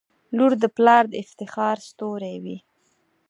• لور د پلار د افتخار ستوری وي.